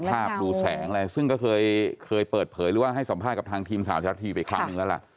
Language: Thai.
ดูแสงอะไรซึ่งก็เคยเปิดเผยหรือว่าให้สัมภาษณ์กับทางทีมข่าวชาวทีไปครั้งหนึ่งแล้วล่ะ